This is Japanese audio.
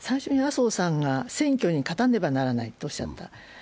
最初に麻生さんが選挙に勝たねばならないとおっしゃった。